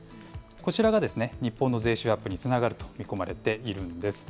こちらが日本の税収アップにつながると見込まれているんです。